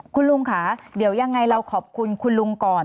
คุณลุงค่ะเดี๋ยวยังไงเราขอบคุณคุณลุงก่อน